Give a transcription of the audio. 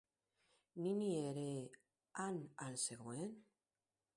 Nini ere han al zegoen?